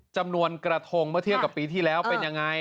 จำนวนกระทงเมื่อเทียบกับปีที่แล้วเป็นยังไง